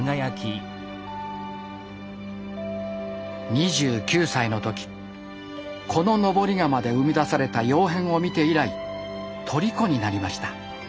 ２９歳の時この登り窯で生み出された窯変を見て以来とりこになりました。